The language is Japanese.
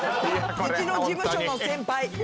うちの事務所の先輩。